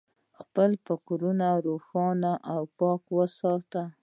خپل فکرونه روښانه او پاک وساتئ.